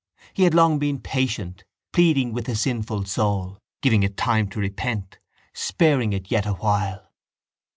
He had long been patient, pleading with the sinful soul, giving it time to repent, sparing it yet awhile.